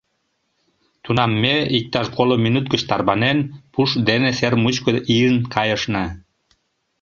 Тунам ме, иктаж коло минут гыч тарванен, пуш дене сер мучко ийын кайышна.